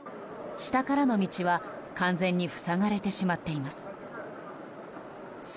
下からの道は完全に塞がれてしまっています。